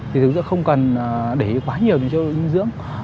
thì thực sự không cần để ý quá nhiều về chế độ dinh dưỡng